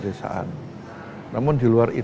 jadi itu memang dianggap sebagai angkutan umum